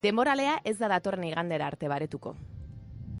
Denboralea ez da datorren igandera arte baretuko.